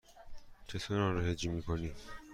چطور آن را هجی می کنی؟